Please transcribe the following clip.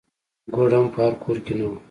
ګوړه هم په هر کور کې نه وه.